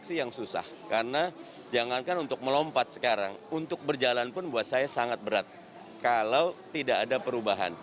ini catatan besar